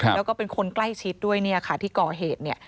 แล้วก็เป็นคนใกล้ชิดด้วยเนี่ยค่ะที่ก่อเหตุเนี่ย